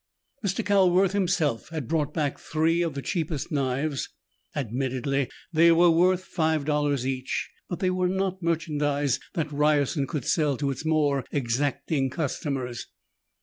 Mr. Calworth himself had brought back three of the cheapest knives. Admittedly they were worth five dollars each, but they were not merchandise that Ryerson could sell to its more exacting customers.